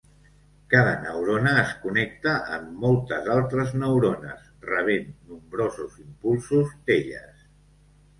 Cada neurona es connecta amb moltes altres neurones, rebent nombrosos impulsos d’elles.